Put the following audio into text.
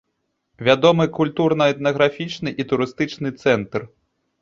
Вядомы культурна-этнаграфічны і турыстычны цэнтр.